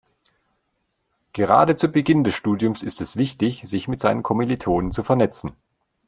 Gerade zu Beginn des Studiums ist es wichtig, sich mit seinen Kommilitonen zu vernetzen.